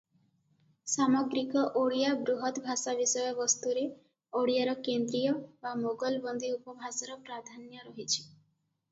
ସାମଗ୍ରିକ ଓଡ଼ିଆ ବୃହତ ଭାଷା ବିଷୟବସ୍ତୁରେ ଓଡ଼ିଆର କେନ୍ଦ୍ରୀୟ ବା ମୋଗଲବନ୍ଦୀ ଉପଭାଷାର ପ୍ରାଧାନ୍ୟ ରହିଛି ।